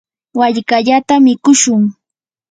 wallkallata mikushun.